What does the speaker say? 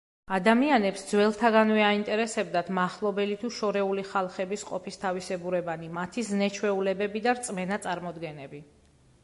ადამიანებს ძველთაგანვე აინტერესებდათ მახლობელი თუ შორეული ხალხების ყოფის თავისებურებანი, მათი ზნე-ჩვეულებები და რწმენა-წარმოდგენები.